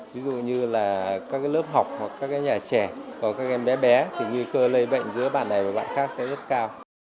ví dụ như là các lớp học hoặc các nhà trẻ có các em bé bé thì nguy cơ lây bệnh giữa bạn này và bạn khác sẽ rất cao